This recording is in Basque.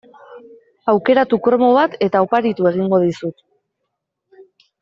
Aukeratu kromo bat eta oparitu egingo dizut.